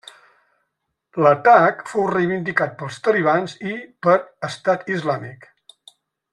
L'atac fou reivindicat pels talibans i per Estat Islàmic.